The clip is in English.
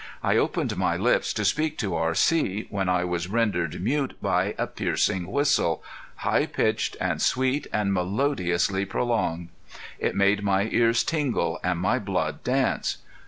I opened my lips to speak to R.C. when I was rendered mute by a piercing whistle, high pitched and sweet and melodiously prolonged. It made my ears tingle and my blood dance.